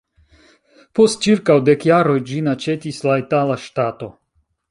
Post ĉirkaŭ dek jaroj ĝin aĉetis la itala ŝtato.